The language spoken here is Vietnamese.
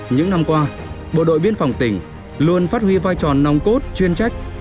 những năm qua bộ đội biên phòng tỉnh luôn phát huy vai trò nòng cốt chuyên trách